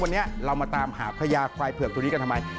วันนี้เรามาตามหาพญาควายเผือกตัวนี้กันทำไม